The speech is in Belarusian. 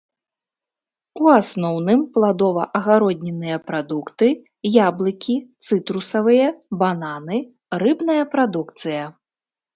У асноўным, пладова-агароднінныя прадукты, яблыкі, цытрусавыя, бананы, рыбная прадукцыя.